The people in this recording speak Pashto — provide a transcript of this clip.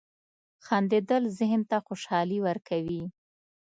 • خندېدل ذهن ته خوشحالي ورکوي.